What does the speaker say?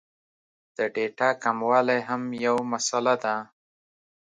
د ډېټا کموالی هم یو مسئله ده